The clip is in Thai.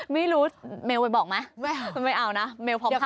ไม่รู้เมลว์ไปบอกไหมไม่เอานะเมลว์พร้อมภาพด้วย